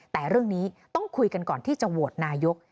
แต่เรื่องนี้ต้องคุยกันก่อนที่จะโหวตนายก